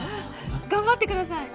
頑張ってください。